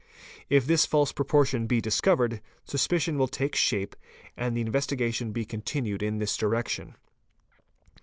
lf this false proportion be discovered, suspicion will take shape and the 528 FOOTPRINTS investigation be continued in this direction.